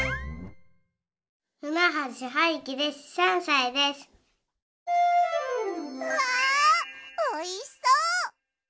うわおいしそう！